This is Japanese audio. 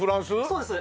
そうです。